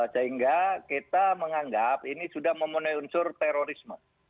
sehingga kita menganggap ini sudah memenuhi unsur terorisme